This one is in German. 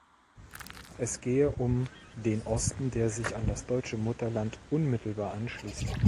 Es gehe um „den Osten, der sich an das deutsche Mutterland unmittelbar anschließt.